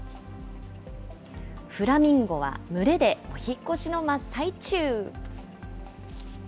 フラミンゴは群れでお引っ越しの真っ最中。